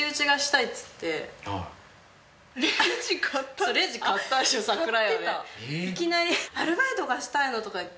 そしていきなりアルバイトがしたいのとか言って。